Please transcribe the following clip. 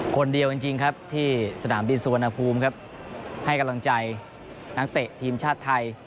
คนเดียวจริงครับที่สนามบินสุวรรณภูมิครับให้กำลังใจนักเตะทีมชาติไทย